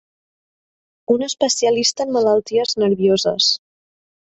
Un especialista en malalties nervioses.